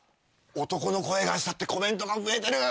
「男の声がした」ってコメントが増えてる！